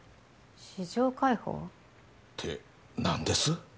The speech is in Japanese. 市場開放？って何です？